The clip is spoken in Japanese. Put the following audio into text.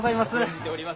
存じております。